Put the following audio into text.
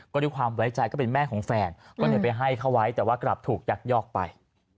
ก็ด้วยความไว้ใจก็เป็นแม่ของแฟนก็เลยไปให้เขาไว้แต่ว่ากลับถูกยักยอกไป